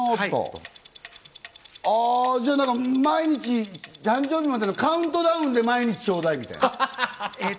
毎日、誕生日までのカウントダウンで毎日ちょうだいみたいな。